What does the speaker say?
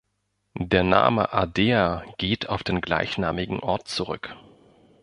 Der Name Ardea geht auf den gleichnamigen Ort zurück.